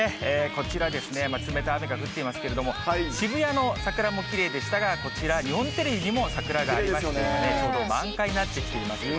こちら、冷たい雨が降っていますけれども、渋谷の桜もきれいでしたが、こちら、日本テレビにも桜がありまして、ちょうど満開になっています。